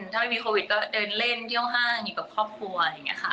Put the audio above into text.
ถ้าไม่มีโควิดก็เดินเล่นเยี่ยวห้างอยู่กับครอบครัวอะไรอย่างนี้ค่ะ